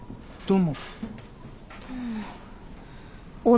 どうも。